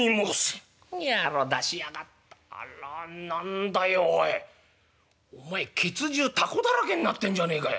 「野郎出しやがっあら何だよおいお前ケツ中タコだらけになってんじゃねえかよ。